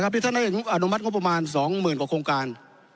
ที่ท่านได้อนุมัติงบประมาณ๒๐๐๐กว่าโครงการ